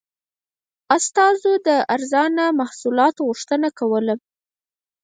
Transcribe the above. استازو د ارزانه محصولاتو غوښتنه کوله.